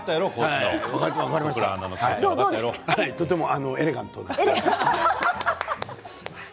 とてもエレガントな。